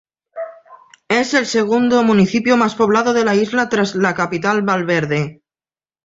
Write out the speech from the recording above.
Es el segundo municipio más poblado de la isla tras la capital, Valverde.